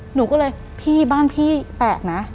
หนูก็เลยพี่บ้านพี่แปลกนะ